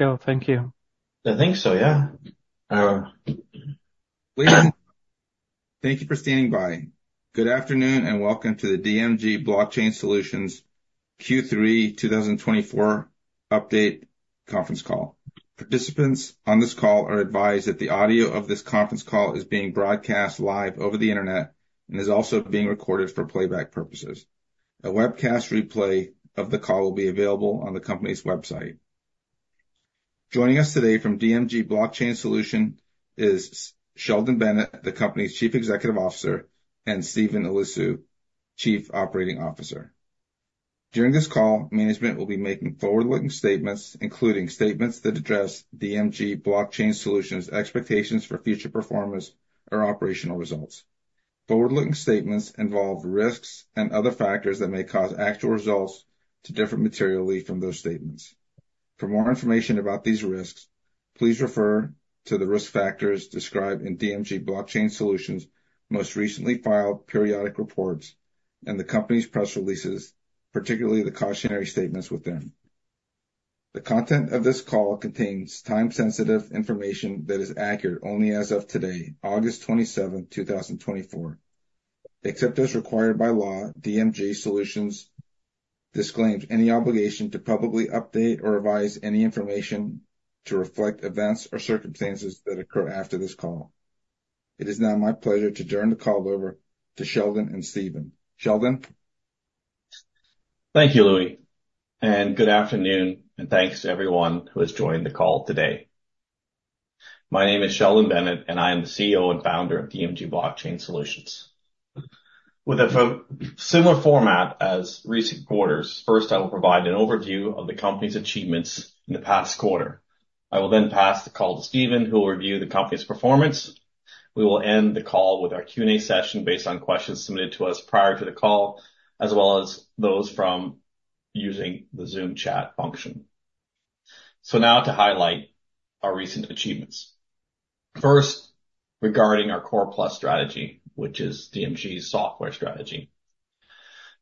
Let's go. Thank you. I think so, yeah. Thank you for standing by. Good afternoon, and welcome to the DMG Blockchain Solutions Q3 2024 update conference call. Participants on this call are advised that the audio of this conference call is being broadcast live over the Internet and is also being recorded for playback purposes. A webcast replay of the call will be available on the company's website. Joining us today from DMG Blockchain Solutions is Sheldon Bennett, the company's Chief Executive Officer, and Steven Eliscu, Chief Operating Officer. During this call, management will be making forward-looking statements, including statements that address DMG Blockchain Solutions expectations for future performance or operational results. Forward-looking statements involve risks and other factors that may cause actual results to differ materially from those statements. For more information about these risks, please refer to the risk factors described in DMG Blockchain Solutions' most recently filed periodic reports and the company's press releases, particularly the cautionary statements with them. The content of this call contains time-sensitive information that is accurate only as of today, August 27th, 2024. Except as required by law, DMG Blockchain Solutions disclaims any obligation to publicly update or revise any information to reflect events or circumstances that occur after this call. It is now my pleasure to turn the call over to Sheldon and Steven. Sheldon? Thank you, Louie, and good afternoon, and thanks to everyone who has joined the call today. My name is Sheldon Bennett, and I am the CEO and founder of DMG Blockchain Solutions. With a similar format as recent quarters, first, I will provide an overview of the company's achievements in the past quarter. I will then pass the call to Steven, who will review the company's performance. We will end the call with our Q&A session based on questions submitted to us prior to the call, as well as those from using the Zoom chat function. So now to highlight our recent achievements. First, regarding our Core+ strategy, which is DMG's software strategy.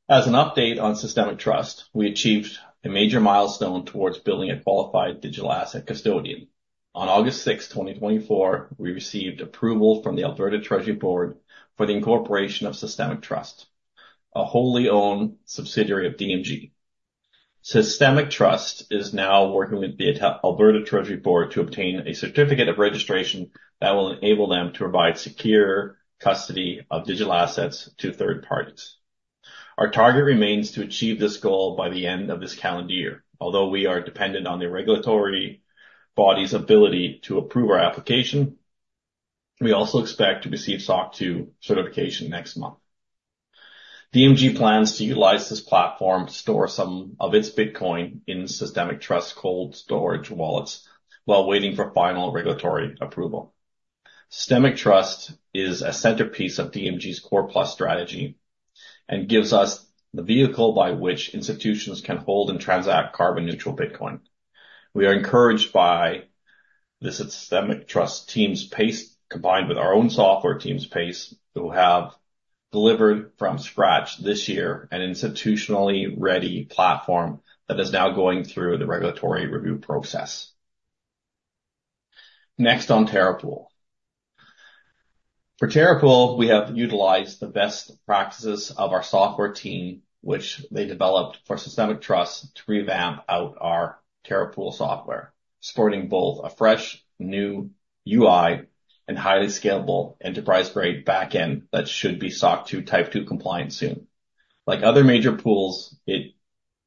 As an update on Systemic Trust, we achieved a major milestone towards building a qualified digital asset custodian. On August 6th, 2024, we received approval from the Alberta Treasury Board for the incorporation of Systemic Trust, a wholly owned subsidiary of DMG. Systemic Trust is now working with the Alberta Treasury Board to obtain a certificate of registration that will enable them to provide secure custody of digital assets to third parties. Our target remains to achieve this goal by the end of this calendar year, although we are dependent on the regulatory body's ability to approve our application. We also expect to receive SOC 2 certification next month. DMG plans to utilize this platform to store some of its Bitcoin in Systemic Trust cold storage wallets while waiting for final regulatory approval. Systemic Trust is a centerpiece of DMG's Core+ strategy and gives us the vehicle by which institutions can hold and transact carbon-neutral Bitcoin. We are encouraged by the Systemic Trust team's pace, combined with our own software team's pace, who have delivered from scratch this year an institutionally ready platform that is now going through the regulatory review process. Next on Terra Pool. For Terra Pool, we have utilized the best practices of our software team, which they developed for Systemic Trust, to revamp our Terra Pool software, supporting both a fresh, new UI and highly scalable enterprise-grade back-end that should be SOC 2 Type 2 compliant soon. Like other major pools, it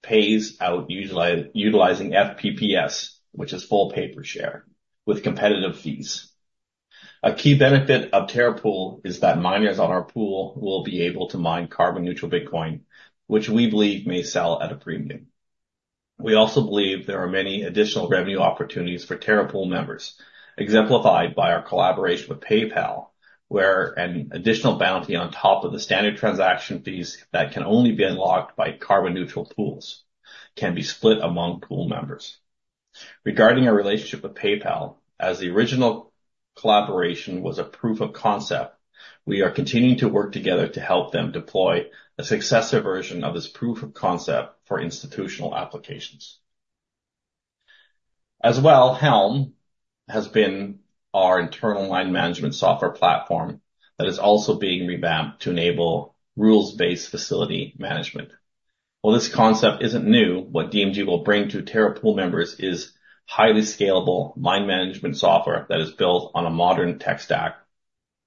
pays out utilizing FPPS, which is full pay per share, with competitive fees. A key benefit of Terra Pool is that miners on our pool will be able to mine carbon-neutral Bitcoin, which we believe may sell at a premium. We also believe there are many additional revenue opportunities for Terra Pool members, exemplified by our collaboration with PayPal, where an additional bounty on top of the standard transaction fees that can only be unlocked by carbon-neutral pools can be split among pool members. Regarding our relationship with PayPal, as the original collaboration was a proof of concept, we are continuing to work together to help them deploy a successive version of this proof of concept for institutional applications. As well, Helm has been our internal mine management software platform that is also being revamped to enable rules-based facility management. While this concept isn't new, what DMG will bring to Terra Pool members is highly scalable mine management software that is built on a modern tech stack,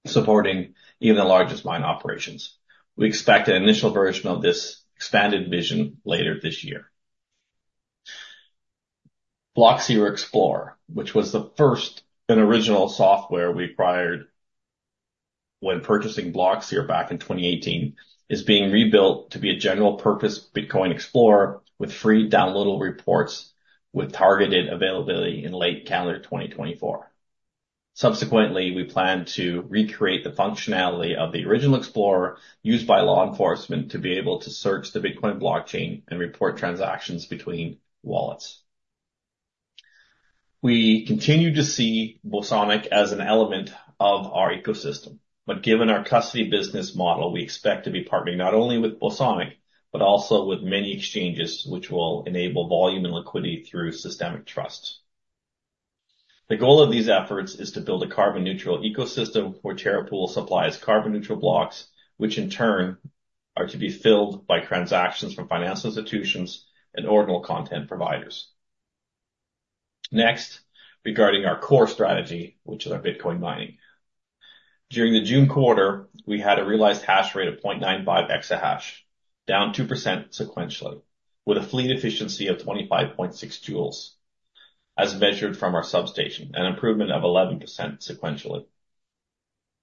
supporting even the largest mine operations. We expect an initial version of this expanded vision later this year. Blockseer Explorer, which was the first and original software we acquired when purchasing Blockseer back in 2018, is being rebuilt to be a general-purpose Bitcoin explorer with free downloadable reports, with targeted availability in late calendar 2024. Subsequently, we plan to recreate the functionality of the original Explorer used by law enforcement to be able to search the Bitcoin blockchain and report transactions between wallets. We continue to see Bosonic as an element of our ecosystem, but given our custody business model, we expect to be partnering not only with Bosonic but also with many exchanges which will enable volume and liquidity through Systemic Trust. The goal of these efforts is to build a carbon neutral ecosystem where Terra Pool supplies carbon neutral blocks, which in turn are to be filled by transactions from financial institutions and Ordinals content providers. Next, regarding our core strategy, which is our Bitcoin mining. During the June quarter, we had a realized hash rate of 0.95 exahash, down 2% sequentially, with a fleet efficiency of 25.6 J, as measured from our substation, an improvement of 11% sequentially.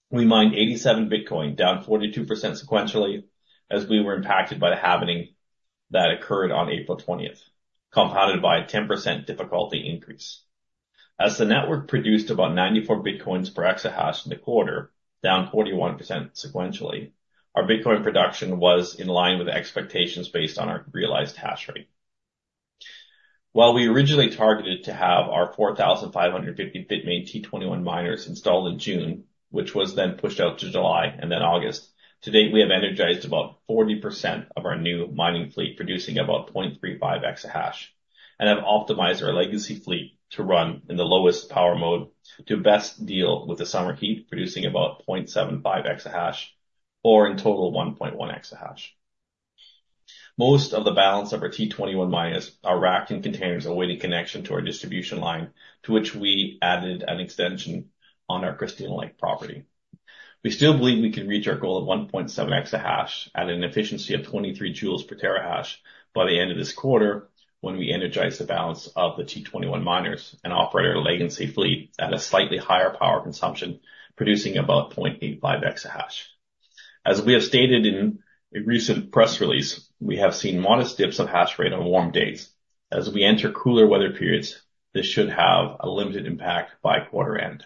We mined 87 Bitcoin, down 42% sequentially, as we were impacted by the halving that occurred on April 20th, compounded by a 10% difficulty increase. As the network produced about 94 bitcoins per exahash in the quarter, down 41% sequentially, our Bitcoin production was in line with expectations based on our realized hash rate. While we originally targeted to have our 4,550 Bitmain T21 miners installed in June, which was then pushed out to July and then August, to date, we have energized about 40% of our new mining fleet, producing about 0.35 exahash, and have optimized our legacy fleet to run in the lowest power mode to best deal with the summer heat, producing about 0.75 exahash, or in total, 1.1 exahash. Most of the balance of our T21 miners are racked in containers awaiting connection to our distribution line, to which we added an extension on our Christina Lake property. We still believe we can reach our goal of 1.7 exahash at an efficiency of 23 J per terahash by the end of this quarter, when we energize the balance of the T21 miners and operate our legacy fleet at a slightly higher power consumption, producing about 0.85 exahash. As we have stated in a recent press release, we have seen modest dips of hash rate on warm days. As we enter cooler weather periods, this should have a limited impact by quarter end.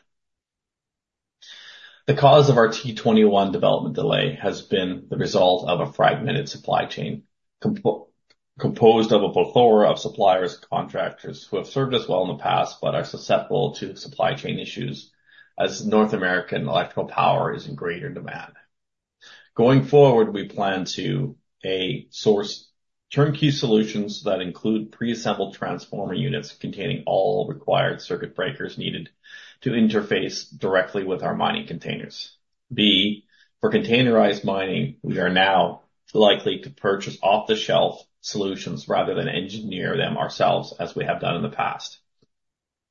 The cause of our T21 development delay has been the result of a fragmented supply chain, composed of a plethora of suppliers and contractors who have served us well in the past, but are susceptible to supply chain issues as North American electrical power is in greater demand. Going forward, we plan to, A, source turnkey solutions that include pre-assembled transformer units containing all required circuit breakers needed to interface directly with our mining containers. B, for containerized mining, we are now likely to purchase off-the-shelf solutions rather than engineer them ourselves, as we have done in the past.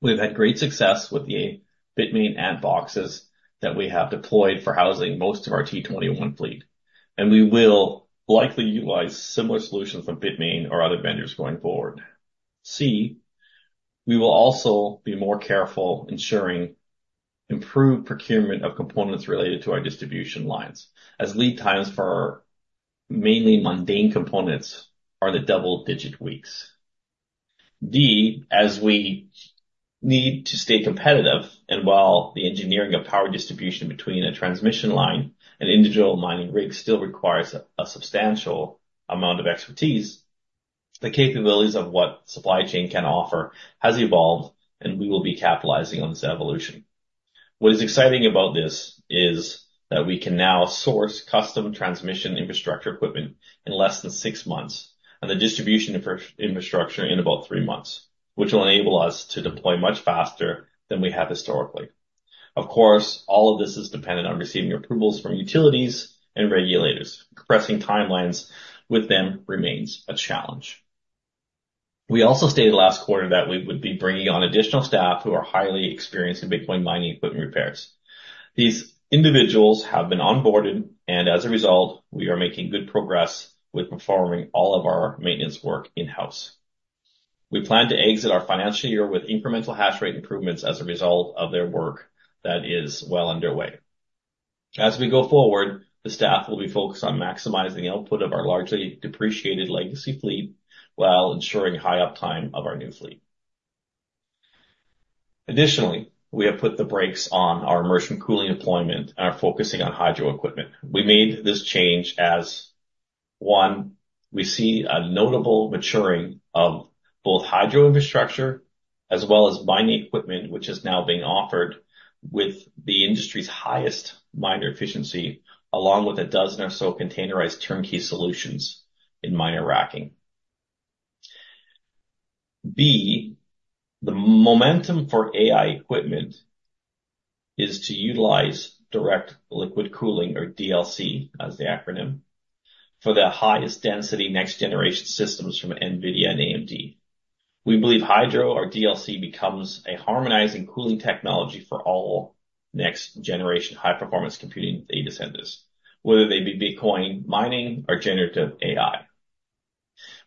We've had great success with the Bitmain Antboxes that we have deployed for housing most of our T21 fleet, and we will likely utilize similar solutions from Bitmain or other vendors going forward. C, we will also be more careful ensuring improved procurement of components related to our distribution lines, as lead times for mainly mundane components are the double-digit weeks. D, as we need to stay competitive, and while the engineering of power distribution between a transmission line and individual mining rig still requires a substantial amount of expertise, the capabilities of what supply chain can offer has evolved, and we will be capitalizing on this evolution. What is exciting about this is that we can now source custom transmission infrastructure equipment in less than six months, and the distribution infrastructure in about three months, which will enable us to deploy much faster than we have historically. Of course, all of this is dependent on receiving approvals from utilities and regulators. Compressing timelines with them remains a challenge. We also stated last quarter that we would be bringing on additional staff who are highly experienced in Bitcoin mining equipment repairs. These individuals have been onboarded, and as a result, we are making good progress with performing all of our maintenance work in-house. We plan to exit our financial year with incremental hash rate improvements as a result of their work that is well underway. As we go forward, the staff will be focused on maximizing the output of our largely depreciated legacy fleet while ensuring high uptime of our new fleet. Additionally, we have put the brakes on our immersion cooling deployment and are focusing on hydro equipment. We made this change as, one, we see a notable maturing of both hydro infrastructure as well as mining equipment, which is now being offered with the industry's highest miner efficiency, along with a dozen or so containerized turnkey solutions in miner racking. B, the momentum for AI equipment is to utilize direct liquid cooling, or DLC as the acronym, for the highest density next-generation systems from NVIDIA and AMD. We believe hydro or DLC becomes a harmonizing cooling technology for all next-generation high-performance computing data centers, whether they be Bitcoin mining or Generative AI.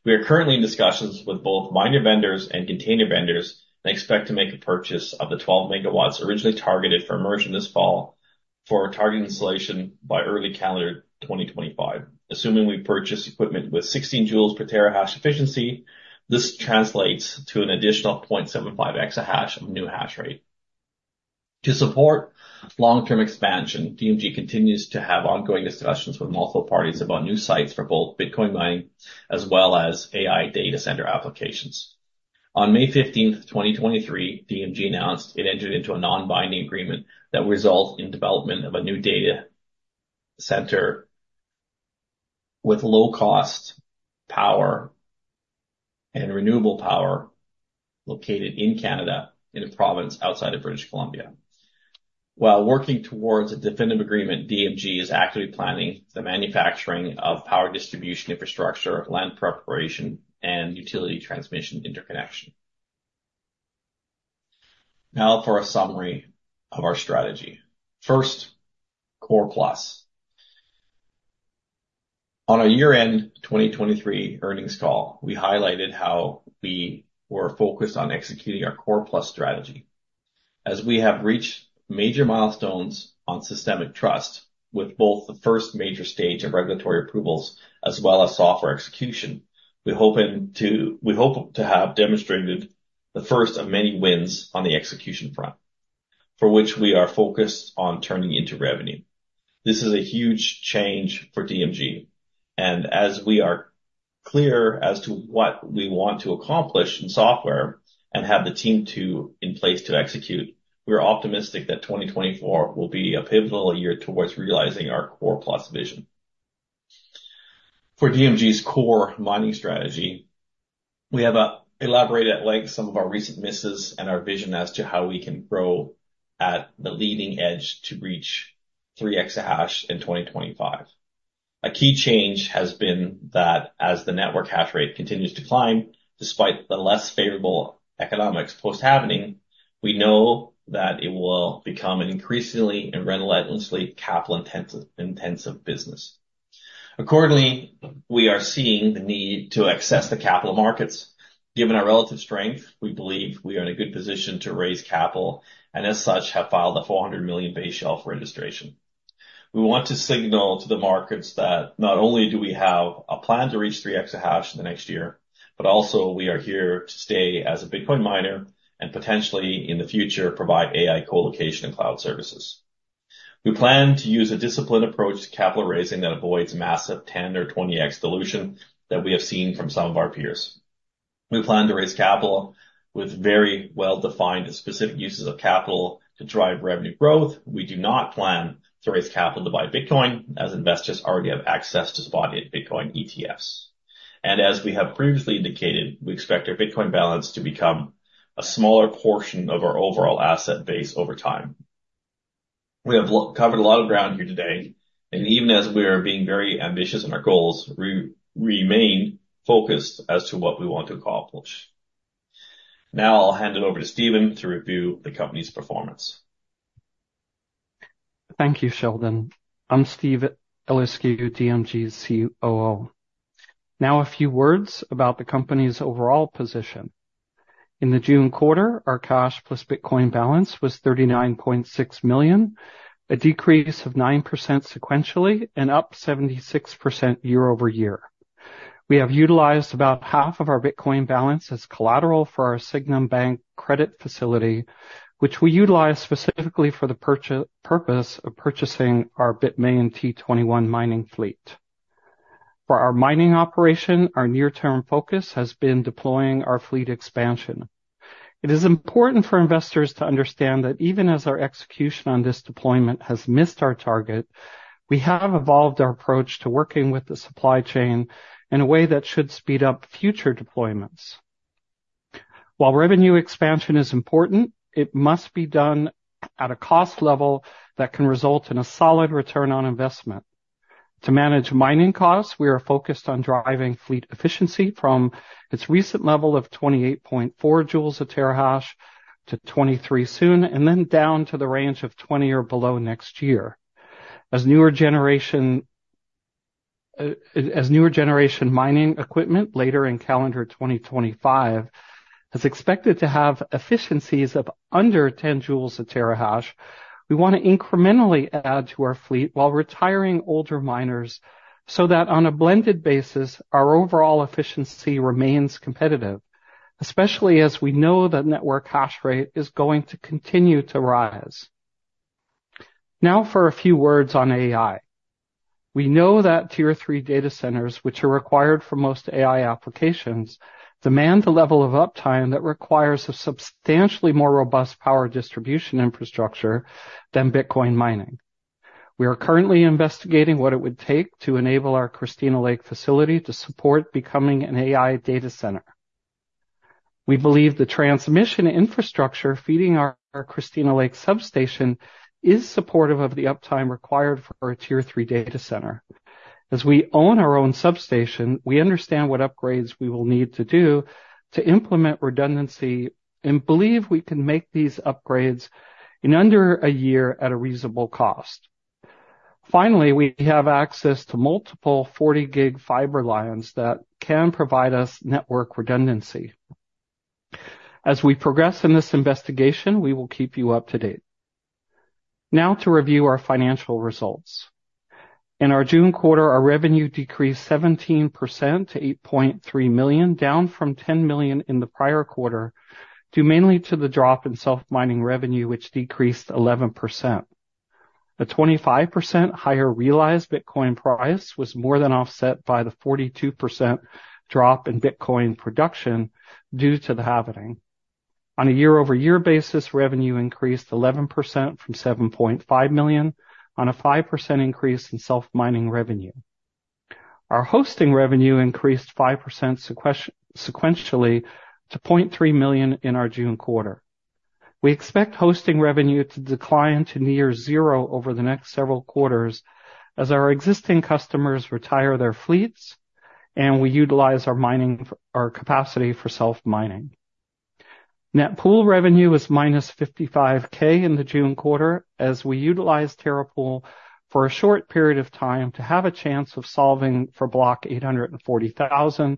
We are currently in discussions with both miner vendors and container vendors, and expect to make a purchase of the 12 MW originally targeted for immersion this fall for target installation by early calendar 2025. Assuming we purchase equipment with 16 J per terahash efficiency, this translates to an additional 0.75 exahash of new hash rate. To support long-term expansion, DMG continues to have ongoing discussions with multiple parties about new sites for both Bitcoin mining as well as AI data center applications. On May 15th, 2023, DMG announced it entered into a non-binding agreement that results in development of a new data center with low-cost power and renewable power located in Canada, in a province outside of British Columbia. While working towards a definitive agreement, DMG is actively planning the manufacturing of power distribution infrastructure, land preparation, and utility transmission interconnection. Now for a summary of our strategy. First, Core+. On our year-end 2023 earnings call, we highlighted how we were focused on executing our Core+ strategy. As we have reached major milestones on Systemic Trust with both the first major stage of regulatory approvals as well as software execution, we're hoping to-- we hope to have demonstrated the first of many wins on the execution front, for which we are focused on turning into revenue. This is a huge change for DMG, and as we are clear as to what we want to accomplish in software and have the team to, in place to execute, we are optimistic that 2024 will be a pivotal year towards realizing our Core+ vision. For DMG's core mining strategy, we have elaborated at length some of our recent misses and our vision as to how we can grow at the leading edge to reach three exahash in 2025. A key change has been that as the network hash rate continues to climb, despite the less favorable economics post-halving, we know that it will become an increasingly and relentlessly capital-intensive business. Accordingly, we are seeing the need to access the capital markets. Given our relative strength, we believe we are in a good position to raise capital, and as such, have filed a 400 million base shelf registration. We want to signal to the markets that not only do we have a plan to reach three exahash in the next year, but also we are here to stay as a Bitcoin miner and potentially in the future, provide AI co-location and cloud services. We plan to use a disciplined approach to capital raising that avoids massive 10x or 20x dilution that we have seen from some of our peers. We plan to raise capital with very well-defined and specific uses of capital to drive revenue growth. We do not plan to raise capital to buy Bitcoin, as investors already have access to spot Bitcoin ETFs. And as we have previously indicated, we expect our Bitcoin balance to become a smaller portion of our overall asset base over time. We have covered a lot of ground here today, and even as we are being very ambitious in our goals, we remain focused as to what we want to accomplish. Now I'll hand it over to Steven to review the company's performance. Thank you, Sheldon. I'm Steven Eliscu, DMG's COO. Now, a few words about the company's overall position. In the June quarter, our cash plus Bitcoin balance was 39.6 million, a decrease of 9% sequentially, and up 76% year over year. We have utilized about half of our Bitcoin balance as collateral for our Sygnum Bank credit facility, which we utilize specifically for the purpose of purchasing our Bitmain T21 mining fleet. For our mining operation, our near-term focus has been deploying our fleet expansion. It is important for investors to understand that even as our execution on this deployment has missed our target, we have evolved our approach to working with the supply chain in a way that should speed up future deployments. While revenue expansion is important, it must be done at a cost level that can result in a solid return on investment. To manage mining costs, we are focused on driving fleet efficiency from its recent level of 28.4 J a terahash to 23 soon, and then down to the range of 20 or below next year. As newer generation mining equipment later in calendar 2025 is expected to have efficiencies of under 10 J a terahash, we want to incrementally add to our fleet while retiring older miners, so that on a blended basis, our overall efficiency remains competitive, especially as we know that network hash rate is going to continue to rise. Now for a few words on AI. We know that Tier 3 data centers, which are required for most AI applications, demand a level of uptime that requires a substantially more robust power distribution infrastructure than Bitcoin mining. We are currently investigating what it would take to enable our Christina Lake facility to support becoming an AI data center. We believe the transmission infrastructure feeding our Christina Lake substation is supportive of the uptime required for a Tier 3 data center. As we own our own substation, we understand what upgrades we will need to do to implement redundancy, and believe we can make these upgrades in under a year at a reasonable cost. Finally, we have access to multiple 40 gig fiber lines that can provide us network redundancy. As we progress in this investigation, we will keep you up to date. Now to review our financial results. In our June quarter, our revenue decreased 17% to CAD 8.3 million, down from CAD 10 million in the prior quarter, due mainly to the drop in self-mining revenue, which decreased 11%.... The 25% higher realized Bitcoin price was more than offset by the 42% drop in Bitcoin production due to the halving. On a year-over-year basis, revenue increased 11% from 7.5 million, on a 5% increase in self-mining revenue. Our hosting revenue increased 5% sequentially to 0.3 million in our June quarter. We expect hosting revenue to decline to near zero over the next several quarters as our existing customers retire their fleets, and we utilize our mining, our capacity for self-mining. Net pool revenue was -55,000 in the June quarter, as we utilized Terra Pool for a short period of time to have a chance of solving for block 840,000,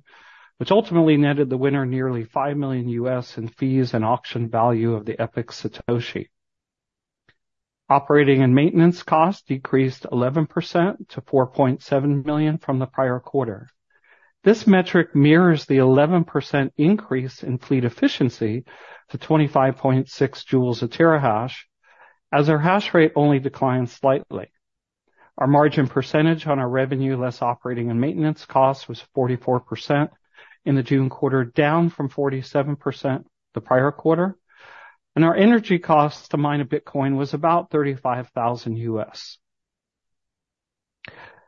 which ultimately netted the winner nearly 5 million in fees and auction value of the Epic Satoshi. Operating and maintenance costs decreased 11% to 4.7 million from the prior quarter. This metric mirrors the 11% increase in fleet efficiency to 25.6 J/TH, as our hash rate only declined slightly. Our margin percentage on our revenue, less operating and maintenance costs, was 44% in the June quarter, down from 47% the prior quarter, and our energy costs to mine a Bitcoin was about $ 35,000.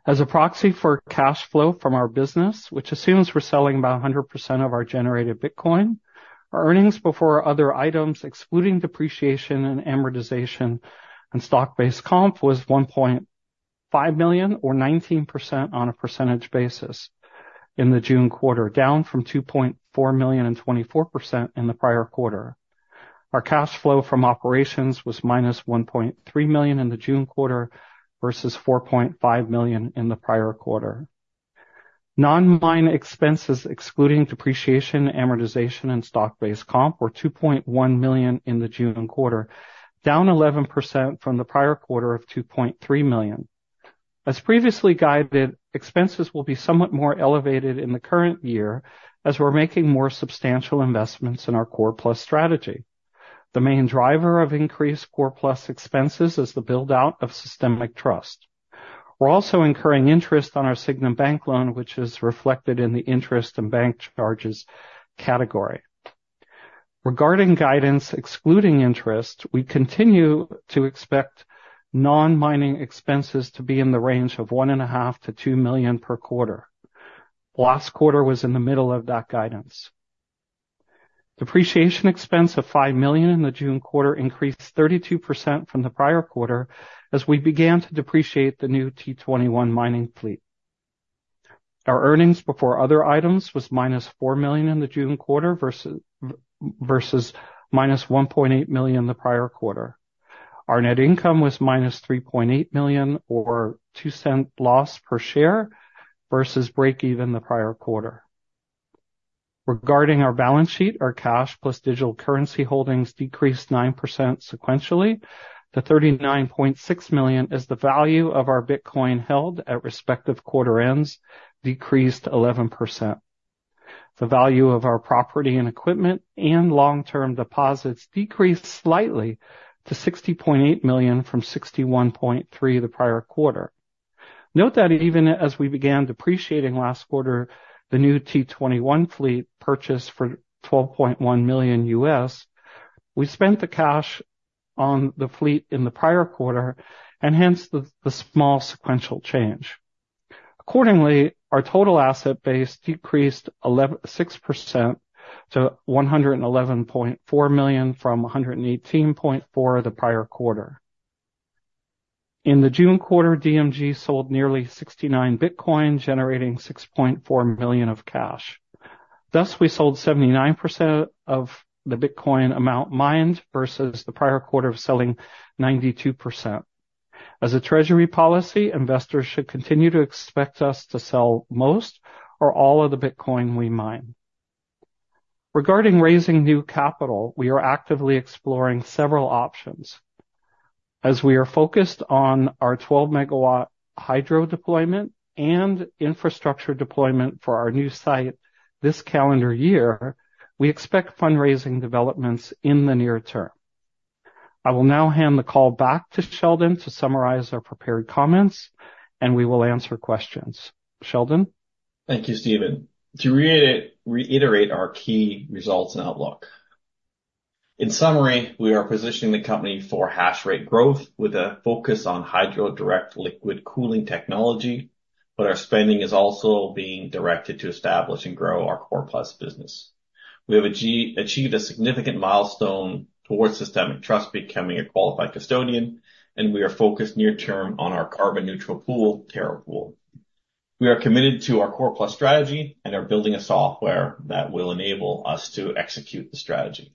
As a proxy for cash flow from our business, which assumes we're selling about 100% of our generated Bitcoin, our earnings before other items, excluding depreciation and amortization and stock-based comp, was 1.5 million, or 19% on a percentage basis in the June quarter, down from 2.4 million and 24% in the prior quarter. Our cash flow from operations was -1.3 million in the June quarter versus 4.5 million in the prior quarter. Non-mine expenses, excluding depreciation, amortization, and stock-based comp, were 2.1 million in the June quarter, down 11% from the prior quarter of 2.3 million. As previously guided, expenses will be somewhat more elevated in the current year as we're making more substantial investments in our Core+ strategy. The main driver of increased Core+ expenses is the build-out of Systemic Trust. We're also incurring interest on our Sygnum Bank loan, which is reflected in the interest and bank charges category. Regarding guidance, excluding interest, we continue to expect non-mining expenses to be in the range of 1.5-2 million per quarter. Last quarter was in the middle of that guidance. Depreciation expense of 5 million in the June quarter increased 32% from the prior quarter as we began to depreciate the new T21 mining fleet. Our earnings before other items was -4 million in the June quarter versus -1.8 million the prior quarter. Our net income was -3.8 million, or -0.02 loss per share, versus break even the prior quarter. Regarding our balance sheet, our cash plus digital currency holdings decreased 9% sequentially. The 39.6 million is the value of our Bitcoin held at respective quarter ends, decreased 11%. The value of our property and equipment and long-term deposits decreased slightly to 60.8 million from 61.3 the prior quarter. Note that even as we began depreciating last quarter, the new T21 fleet, purchased for $12.1 million, we spent the cash on the fleet in the prior quarter and hence the small sequential change. Accordingly, our total asset base decreased 6% to 111.4 million from 118.4 million the prior quarter. In the June quarter, DMG sold nearly 69 Bitcoin, generating 6.4 million of cash. Thus, we sold 79% of the Bitcoin amount mined versus the prior quarter of selling 92%. As a treasury policy, investors should continue to expect us to sell most or all of the Bitcoin we mine. Regarding raising new capital, we are actively exploring several options. As we are focused on our 12 MW hydro deployment and infrastructure deployment for our new site this calendar year, we expect fundraising developments in the near term. I will now hand the call back to Sheldon to summarize our prepared comments, and we will answer questions. Sheldon? Thank you, Steven. To reiterate our key results and outlook. In summary, we are positioning the company for hash rate growth with a focus on hydro direct liquid cooling technology, but our spending is also being directed to establish and grow our Core+ business. We have achieved a significant milestone towards Systemic Trust becoming a qualified custodian, and we are focused near term on our carbon neutral pool, Terra Pool. We are committed to our Core+ strategy and are building a software that will enable us to execute the strategy.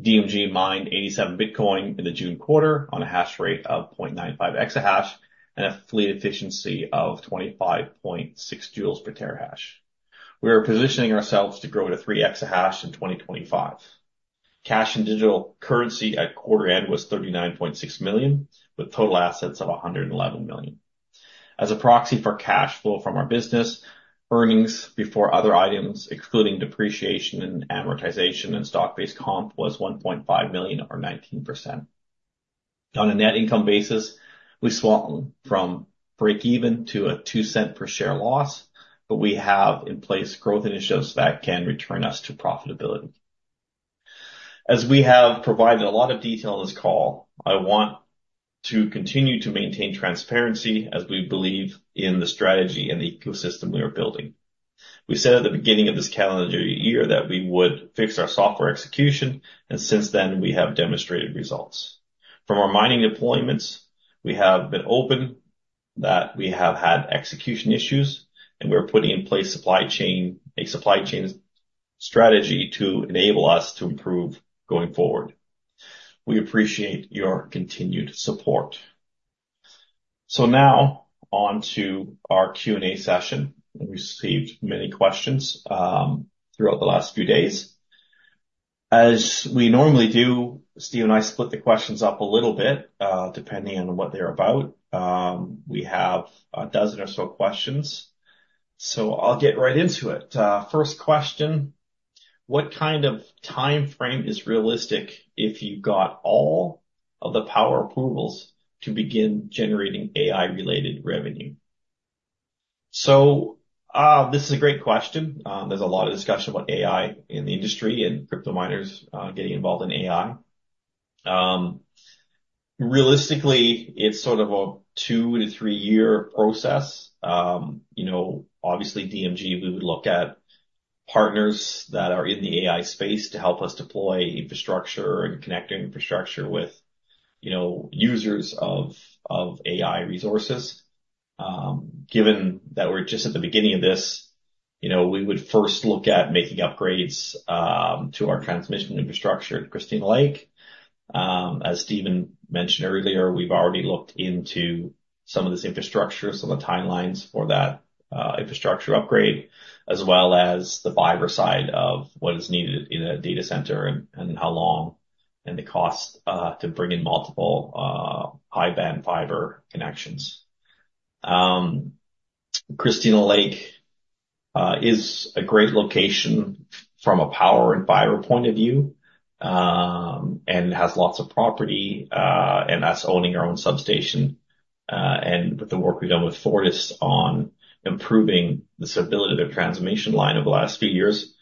DMG mined 87 Bitcoin in the June quarter on a hash rate of 0.95 exahash and a fleet efficiency of 25.6 J per terahash. We are positioning ourselves to grow to 3 exahash in 2025. Cash and digital currency at quarter end was 39.6 million, with total assets of 111 million. As a proxy for cash flow from our business, earnings before other items, excluding depreciation and amortization and stock-based comp, was 1.5 million or 19%. On a net income basis, we've swung from breakeven to a 0.02 per share loss, but we have in place growth initiatives that can return us to profitability. As we have provided a lot of detail on this call, I want to continue to maintain transparency as we believe in the strategy and the ecosystem we are building. We said at the beginning of this calendar year that we would fix our software execution, and since then, we have demonstrated results. From our mining deployments, we have been open that we have had execution issues, and we're putting in place a supply chain strategy to enable us to improve going forward. We appreciate your continued support. So now on to our Q&A session. We received many questions throughout the last few days. As we normally do, Steve and I split the questions up a little bit, depending on what they're about. We have a dozen or so questions, so I'll get right into it. First question: What kind of timeframe is realistic if you got all of the power approvals to begin generating AI-related revenue? So, this is a great question. There's a lot of discussion about AI in the industry and crypto miners getting involved in AI. Realistically, it's sort of a two to three-year process. You know, obviously, DMG, we would look at partners that are in the AI space to help us deploy infrastructure and connect infrastructure with, you know, users of, of AI resources. Given that we're just at the beginning of this, you know, we would first look at making upgrades to our transmission infrastructure at Christina Lake. As Steven mentioned earlier, we've already looked into some of this infrastructure, some of the timelines for that, infrastructure upgrade, as well as the fiber side of what is needed in a data center and, and how long, and the cost to bring in multiple, high-band fiber connections. Christina Lake is a great location from a power and fiber point of view, and has lots of property, and that's owning our own substation. And with the work we've done with Fortis on improving the stability of their transmission line over the last few years,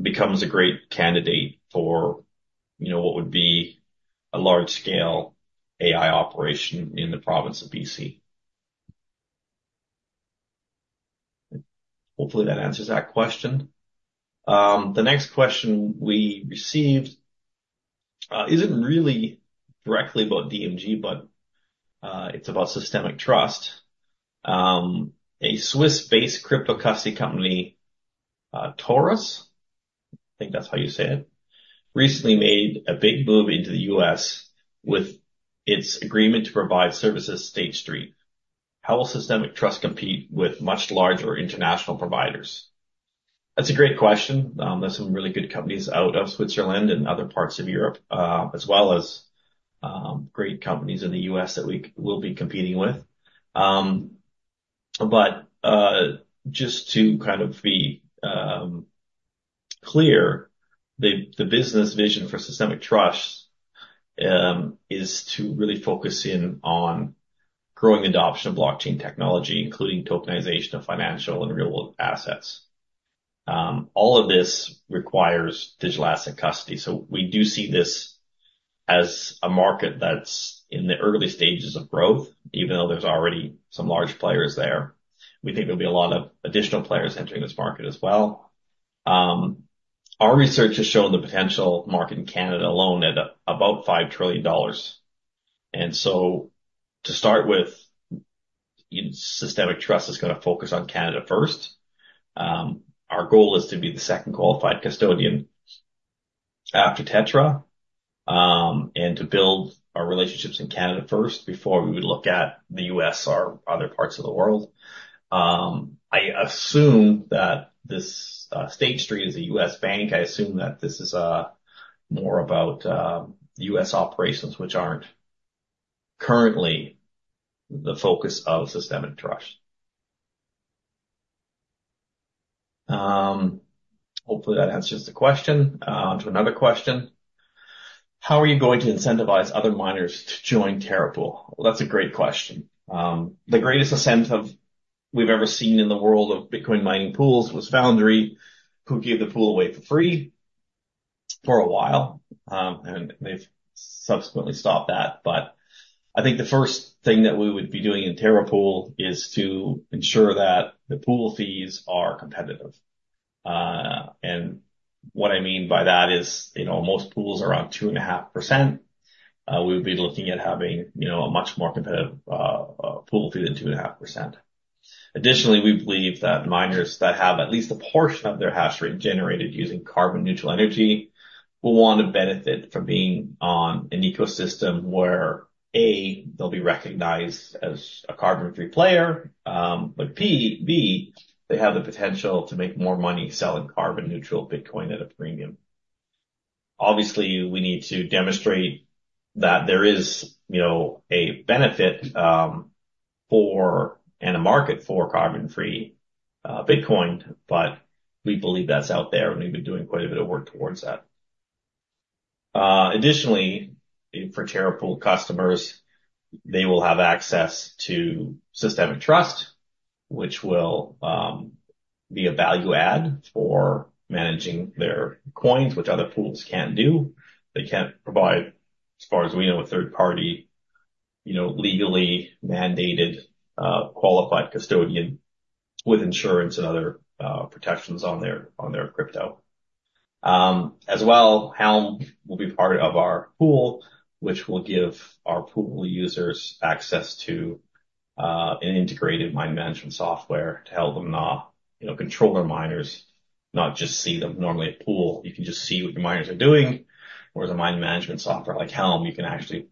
becomes a great candidate for, you know, what would be a large-scale AI operation in the province of BC. Hopefully, that answers that question. The next question we received isn't really directly about DMG, but it's about Systemic Trust. A Swiss-based crypto custody company, Taurus, I think that's how you say it, recently made a big move into the US with its agreement to provide services State Street. How will Systemic Trust compete with much larger international providers? That's a great question. There's some really good companies out of Switzerland and other parts of Europe, as well as, great companies in the US that we will be competing with. But just to kind of be clear, the business vision for Systemic Trust is to really focus in on growing the adoption of blockchain technology, including tokenization of financial and real-world assets. All of this requires digital asset custody, so we do see this as a market that's in the early stages of growth, even though there's already some large players there. We think there'll be a lot of additional players entering this market as well. Our research has shown the potential market in Canada alone at about 5 trillion dollars, and so to start with, Systemic Trust is gonna focus on Canada first. Our goal is to be the second qualified custodian after Tetra and to build our relationships in Canada first before we would look at the U.S. or other parts of the world. I assume that this State Street is a U.S. bank. I assume that this is more about U.S. operations, which aren't currently the focus of Systemic Trust. Hopefully, that answers the question. On to another question: How are you going to incentivize other miners to join Terra Pool? That's a great question. The greatest incentive we've ever seen in the world of Bitcoin mining pools was Foundry, who gave the pool away for free for a while, and they've subsequently stopped that. But I think the first thing that we would be doing in Terra Pool is to ensure that the pool fees are competitive. What I mean by that is, you know, most pools are on 2.5%. We'll be looking at having, you know, a much more competitive pool fee than 2.5%. Additionally, we believe that miners that have at least a portion of their hash rate generated using carbon neutral energy will want to benefit from being on an ecosystem where, A, they'll be recognized as a carbon-free player, but B, they have the potential to make more money selling carbon neutral Bitcoin at a premium. Obviously, we need to demonstrate that there is, you know, a benefit for, and a market for carbon-free Bitcoin, but we believe that's out there, and we've been doing quite a bit of work towards that. Additionally, for Terra Pool customers, they will have access to Systemic Trust, which will be a value add for managing their coins, which other pools can't do. They can't provide, as far as we know, a third party, you know, legally mandated, qualified custodian with insurance and other, protections on their crypto. As well, Helm will be part of our pool, which will give our pool users access to, an integrated mine management software to help them, you know, control their miners, not just see them. Normally, a pool, you can just see what your miners are doing, whereas a mine management software like Helm, you can actually,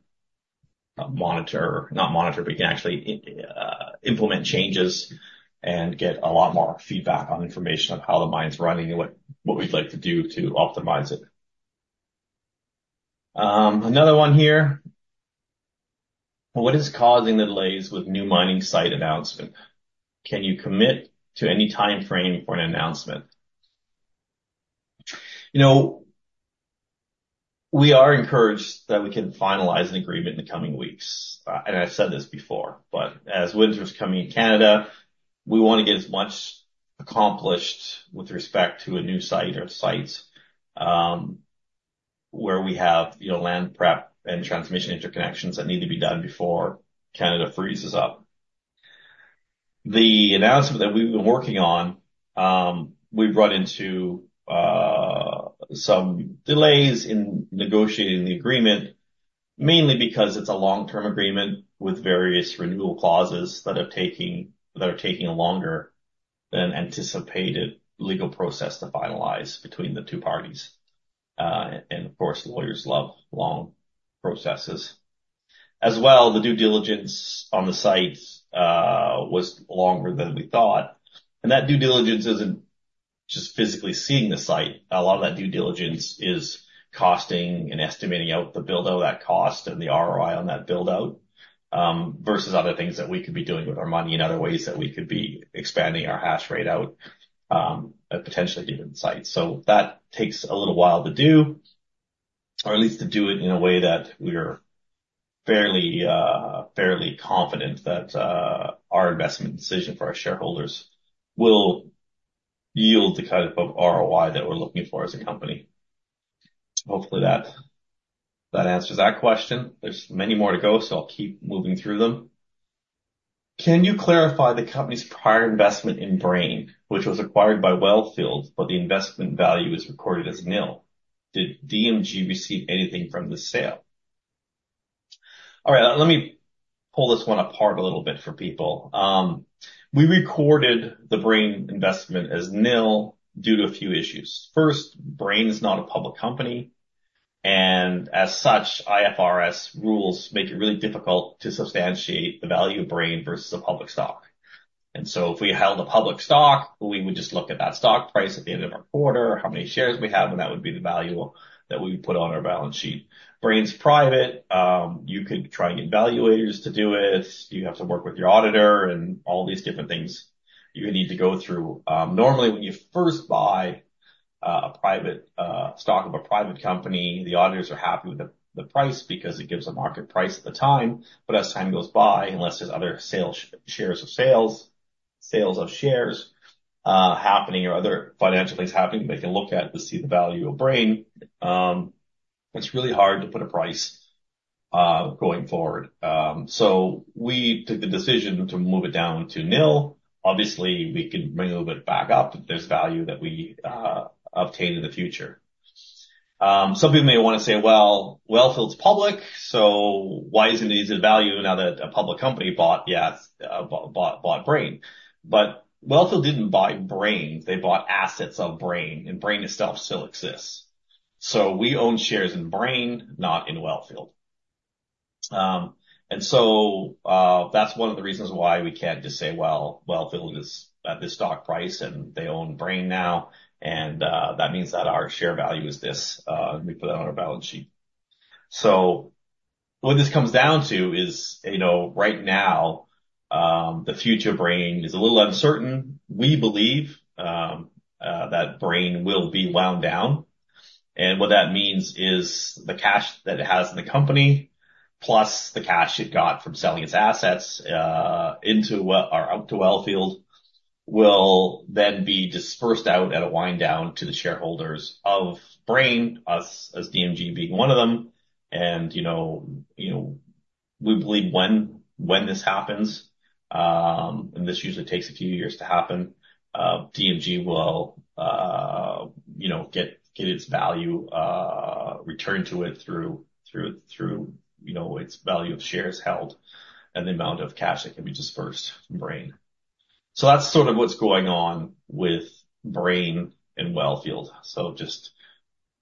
monitor, not monitor, but you can actually, implement changes and get a lot more feedback on information on how the mine's running and what we'd like to do to optimize it. Another one here: What is causing the delays with new mining site announcement? Can you commit to any timeframe for an announcement? You know, we are encouraged that we can finalize an agreement in the coming weeks. And I've said this before, but as winter is coming in Canada, we want to get as much accomplished with respect to a new site or sites, where we have, you know, land prep and transmission interconnections that need to be done before Canada freezes up. The announcement that we've been working on, we've run into some delays in negotiating the agreement, mainly because it's a long-term agreement with various renewal clauses that are taking longer than anticipated legal process to finalize between the two parties. And of course, lawyers love long processes. As well, the due diligence on the site was longer than we thought, and that due diligence isn't just physically seeing the site. A lot of that due diligence is costing and estimating out the build out, that cost and the ROI on that build out, versus other things that we could be doing with our money in other ways that we could be expanding our hash rate out, at potentially even site. So that takes a little while to do, or at least to do it in a way that we're fairly confident that our investment decision for our shareholders will yield the type of ROI that we're looking for as a company. Hopefully that answers that question. There's many more to go, so I'll keep moving through them. Can you clarify the company's prior investment in Brane, which was acquired by Wellfield, but the investment value is recorded as nil? Did DMG receive anything from the sale? All right, let me pull this one apart a little bit for people. We recorded the Brane investment as nil due to a few issues. First, Brane is not a public company, and as such, IFRS rules make it really difficult to substantiate the value of Brane versus a public stock. And so if we held a public stock, we would just look at that stock price at the end of our quarter, how many shares we have, and that would be the value that we put on our balance sheet. Brane's private, you could try and get valuators to do it. You have to work with your auditor and all these different things you would need to go through. Normally, when you first buy a private stock of a private company, the auditors are happy with the price because it gives a market price at the time. But as time goes by, unless there's other sales of shares happening or other financial things happening, they can look at to see the value of Brane, it's really hard to put a price going forward. So we took the decision to move it down to nil. Obviously, we can bring a little bit back up if there's value that we obtain in the future. Some people may want to say, "Well, Wellfield's public, so why isn't it easy to value now that a public company bought, yeah, bought Brane?" But Wellfield didn't buy Brane, they bought assets of Brane, and Brane itself still exists. So we own shares in Brane, not in Wellfield. And so, that's one of the reasons why we can't just say, "Well, Wellfield is at this stock price, and they own Brane now, and that means that our share value is this," and we put that on our balance sheet. So what this comes down to is, you know, right now, the future of Brane is a little uncertain. We believe that Brane will be wound down, and what that means is the cash that it has in the company, plus the cash it got from selling its assets out to Wellfield, will then be dispersed out at a wind down to the shareholders of Brane, us as DMG being one of them, and you know, we believe when this happens, and this usually takes a few years to happen, DMG will, you know, get its value returned to it through you know, its value of shares held and the amount of cash that can be dispersed from Brane. So that's sort of what's going on with Brane and Wellfield. So just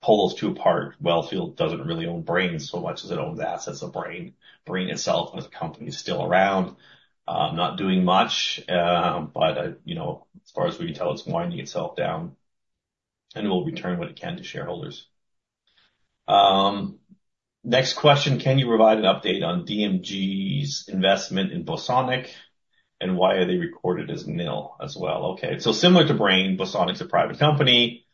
pull those two apart. Wellfield doesn't really own Brane so much as it owns assets of Brane. Brane itself as a company is still around, not doing much, but, you know, as far as we can tell, it's winding itself down, and it will return what it can to shareholders. Next question. Can you provide an update on DMG's investment in Bosonic, and why are they recorded as nil as well? Okay, so similar to Brane, Bosonic is a private company.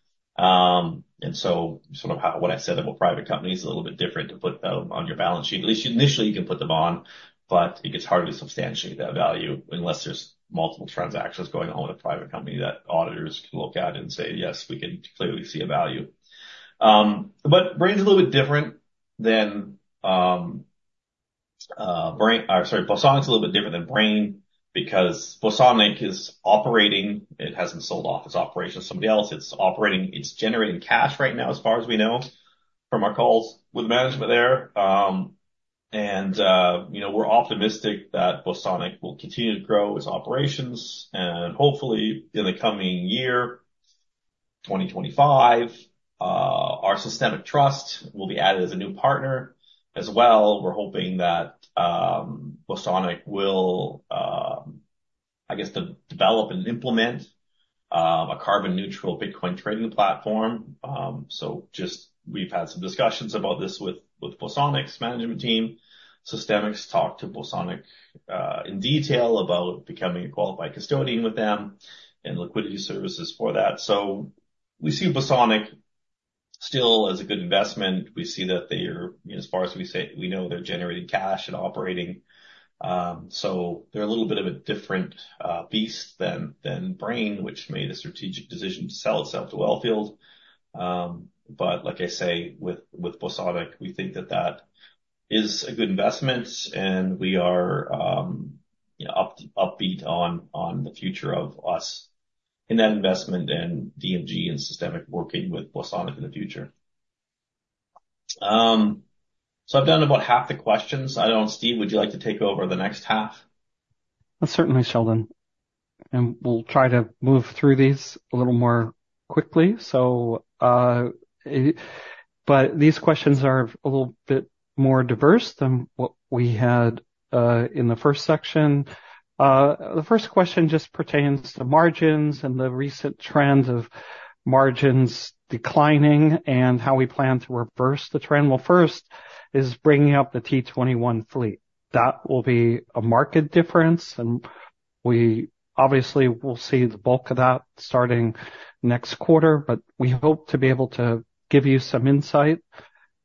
And so sort of how what I said about private companies, a little bit different to put on your balance sheet. At least initially, you can put them on, but it gets hard to substantiate that value unless there's multiple transactions going on with a private company that auditors can look at and say, "Yes, we can clearly see a value," but Brane's a little bit different than Brane, or sorry, Bosonic is a little bit different than Brane, because Bosonic is operating. It hasn't sold off its operations to somebody else. It's operating, it's generating cash right now, as far as we know, from our calls with management there, and, you know, we're optimistic that Bosonic will continue to grow its operations, and hopefully, in the coming year, 2025, our Systemic Trust will be added as a new partner. As well, we're hoping that Bosonic will, I guess, develop and implement a carbon neutral Bitcoin trading platform. So just we've had some discussions about this with Bosonic's management team. Systemic talked to Bosonic in detail about becoming a qualified custodian with them and liquidity services for that. So we see Bosonic still as a good investment. We see that they are, as far as we know, they're generating cash and operating. So they're a little bit of a different beast than Brane, which made a strategic decision to sell itself to Wellfield. But like I say, with Bosonic, we think that that is a good investment, and we are, you know, upbeat on the future of us in that investment and DMG and Systemic working with Bosonic in the future. So I've done about half the questions. I don't know, Steve, would you like to take over the next half? Most certainly, Sheldon, and we'll try to move through these a little more quickly. These questions are a little bit more diverse than what we had in the first section. The first question just pertains to margins and the recent trends of margins declining and how we plan to reverse the trend. First is bringing up the T21 fleet. That will be a marked difference, and we obviously will see the bulk of that starting next quarter, but we hope to be able to give you some insight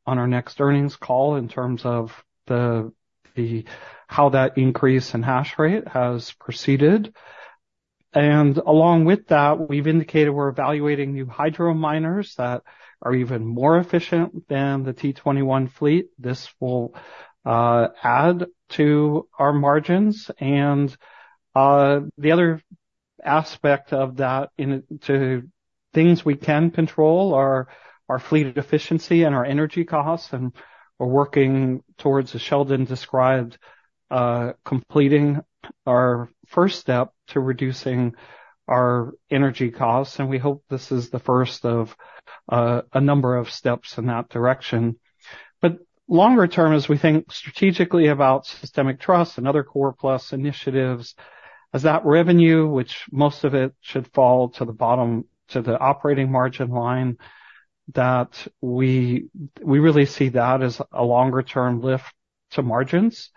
on our next earnings call in terms of how that increase in hash rate has proceeded. And along with that, we've indicated we're evaluating new hydro miners that are even more efficient than the T21 fleet. This will add to our margins, and the other aspect of that in to things we can control are our fleet efficiency and our energy costs, and we're working towards, as Sheldon described, completing our first step to reducing our energy costs, and we hope this is the first of a number of steps in that direction. But longer term, as we think strategically about Systemic Trust and other Core+ initiatives, as that revenue, which most of it should fall to the bottom, to the operating margin line, that we really see that as a longer term lift to margins.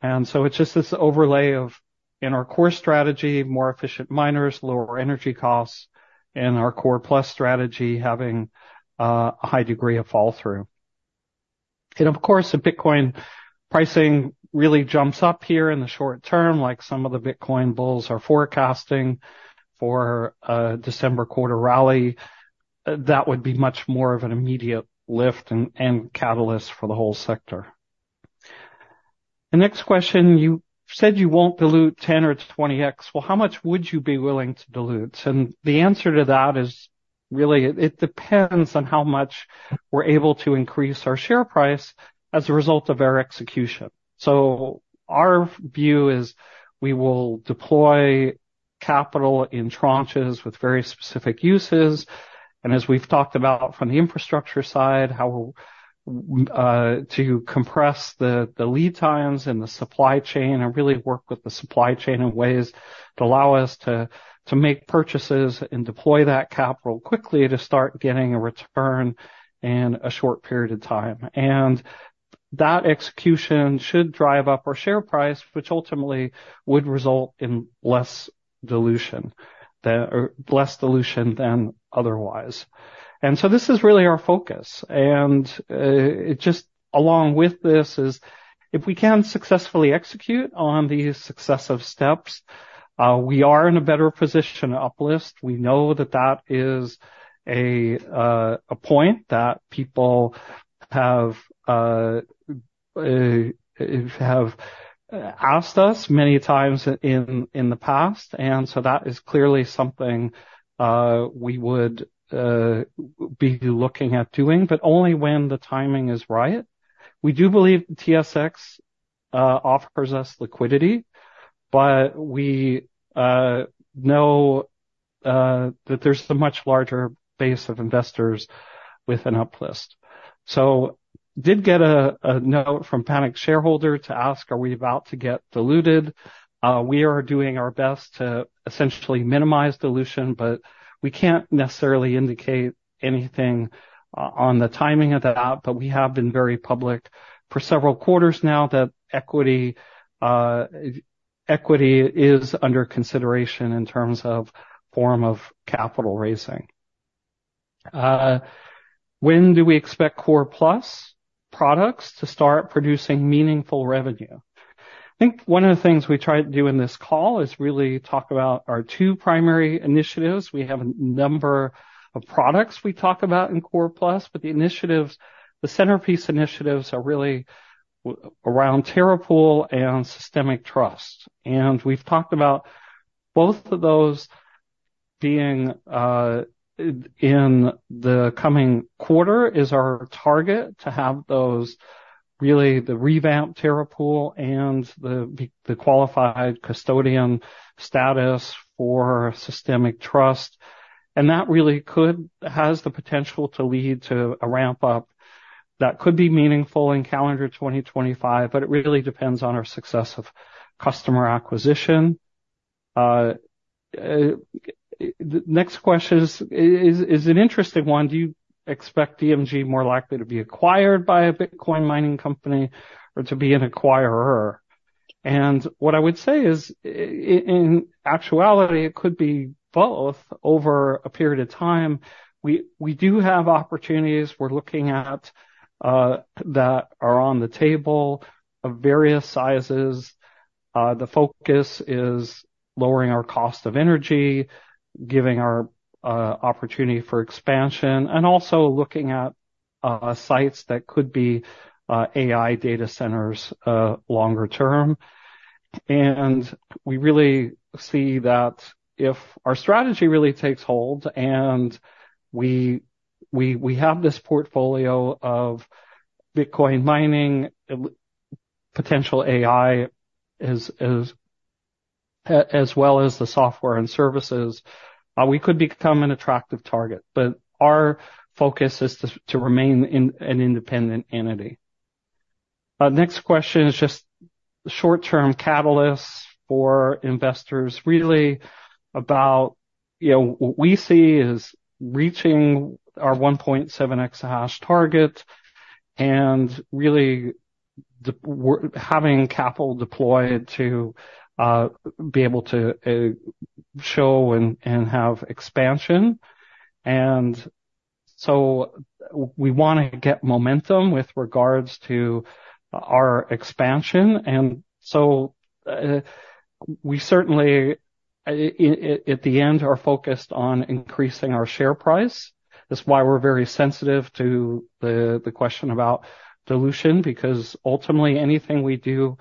And so it's just this overlay of, in our core strategy, more efficient miners, lower energy costs, and our Core+ strategy having a high degree of fall through. Of course, if Bitcoin pricing really jumps up here in the short term, like some of the Bitcoin bulls are forecasting for a December quarter rally, that would be much more of an immediate lift and catalyst for the whole sector. The next question, you said you won't dilute 10x or 20x. Well, how much would you be willing to dilute? And the answer to that is, really, it depends on how much we're able to increase our share price as a result of our execution. So our view is we will deploy capital in tranches with very specific uses, and as we've talked about from the infrastructure side, how to compress the lead times and the supply chain, and really work with the supply chain in ways that allow us to make purchases and deploy that capital quickly to start getting a return in a short period of time. And that execution should drive up our share price, which ultimately would result in less dilution than otherwise. And so this is really our focus. And it just along with this is if we can successfully execute on these successive steps, we are in a better position to uplist. We know that that is a point that people have asked us many times in the past, and so that is clearly something we would be looking at doing, but only when the timing is right. We do believe TSX offers us liquidity, but we know that there's a much larger base of investors with an uplist. Did get a note from Panic Shareholder to ask, are we about to get diluted? We are doing our best to essentially minimize dilution, but we can't necessarily indicate anything on the timing of that. We have been very public for several quarters now that equity is under consideration in terms of form of capital raising. When do we expect Core+ products to start producing meaningful revenue? I think one of the things we tried to do in this call is really talk about our two primary initiatives. We have a number of products we talk about in Core+, but the initiatives, the centerpiece initiatives are really around Terra Pool and Systemic Trust. We've talked about both of those being in the coming quarter is our target to have those, really, the revamped Terra Pool and the qualified custodian status for Systemic Trust. That really could has the potential to lead to a ramp up that could be meaningful in calendar 2025, but it really depends on our success of customer acquisition. The next question is an interesting one: Do you expect DMG more likely to be acquired by a Bitcoin mining company or to be an acquirer? And what I would say is, in actuality, it could be both over a period of time. We do have opportunities we're looking at that are on the table of various sizes. The focus is lowering our cost of energy, giving our opportunity for expansion, and also looking at sites that could be AI data centers longer term. And we really see that if our strategy really takes hold and we have this portfolio of Bitcoin mining, potential AI, as well as the software and services, we could become an attractive target. But our focus is to remain an independent entity. Next question is just short-term catalysts for investors, really, about, you know, what we see is reaching our 1.7 exahash target and really having capital deployed to be able to show and have expansion. And so we want to get momentum with regards to our expansion, and so, we certainly, at the end, are focused on increasing our share price. That's why we're very sensitive to the question about dilution, because ultimately, anything we do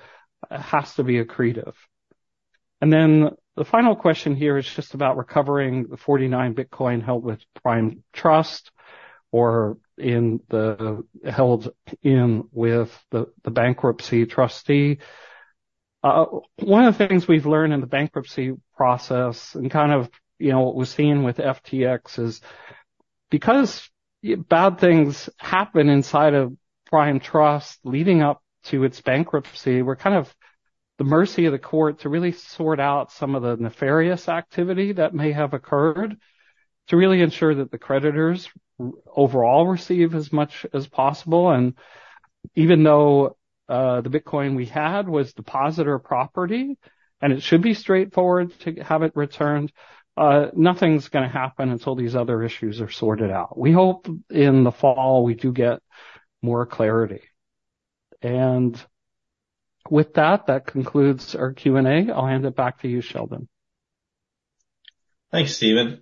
has to be accretive. And then the final question here is just about recovering the 49 Bitcoin held with Prime Trust or held with the bankruptcy trustee. One of the things we've learned in the bankruptcy process, and kind of, you know, what we've seen with FTX, is because bad things happened inside of Prime Trust leading up to its bankruptcy, we're kind of at the mercy of the court to really sort out some of the nefarious activity that may have occurred, to really ensure that the creditors overall receive as much as possible. And even though the Bitcoin we had was depositor property, and it should be straightforward to have it returned, nothing's gonna happen until these other issues are sorted out. We hope in the fall we do get more clarity. And with that, that concludes our Q&A. I'll hand it back to you, Sheldon. Thanks, Steven.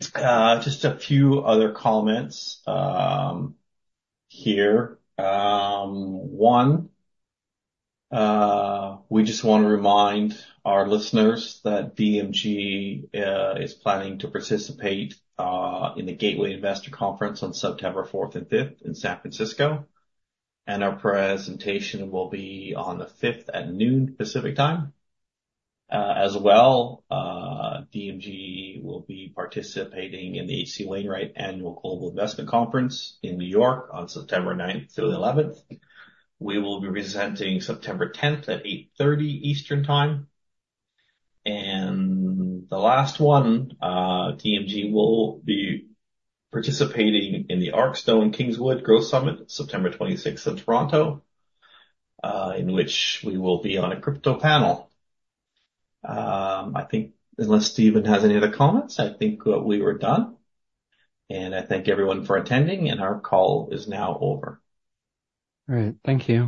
Just a few other comments here. One, we just want to remind our listeners that DMG is planning to participate in the Gateway Investor Conference on September 4th and 5th in San Francisco, and our presentation will be on the 5th at noon, Pacific Time. As well, DMG will be participating in the H.C. Wainwright Annual Global Investment Conference in New York on September 9th through the eleventh. We will be presenting September 10th at 8:30 A.M. Eastern Time. And the last one, DMG will be participating in the ArcStone Kingswood Growth Summit, September 26th in Toronto, in which we will be on a crypto panel. I think unless Steven has any other comments, I think, we are done, and I thank everyone for attending, and our call is now over. All right, thank you.